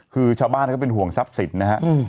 คือชาวบ้านก็เป็นห่วงทรัพย์สินนะฮะ